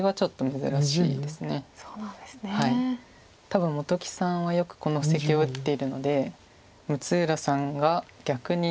多分本木さんはよくこの布石を打ってるので六浦さんが逆に。